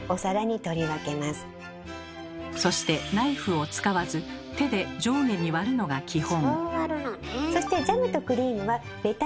そしてナイフを使わず手で上下に割るのが基本。